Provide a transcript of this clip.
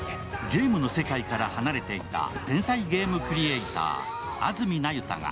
ゲームの世界から離れていた天才ゲームクリエーター安積那由他が